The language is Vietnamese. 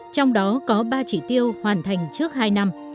trong đó có ba chỉ tiêu hoàn thành trước hai năm